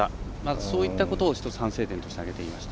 そういったことを１つ反省点として挙げていました。